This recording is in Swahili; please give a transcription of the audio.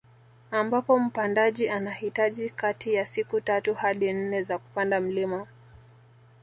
Ambapo mpandaji anahitaji kati ya siku tatu hadi nne za kupanda mlima